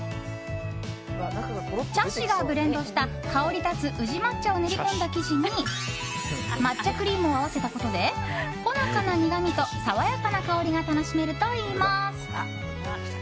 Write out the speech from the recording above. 茶師がブレンドした、香り立つ宇治抹茶を練り込んだ生地に抹茶クリームを合わせたことでほのかな苦みと爽やかな香りが楽しめるといいます。